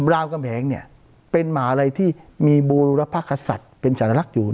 ลาวก้นแผงเนี่ยเป็นหมาอะไรที่มีบูรุณภัคกษัตริย์เป็นสรรครักษ์อยู่